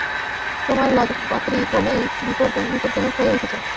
তোমার লাজুক পাত্রী ক্রমেই বিপজ্জনক হয়ে উঠছে!